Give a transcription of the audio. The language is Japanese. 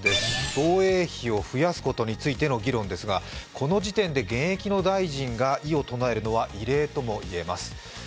防衛費を増やすことについての議論ですがこの時点で現役の大臣が異を唱えるのは異例とも言えます。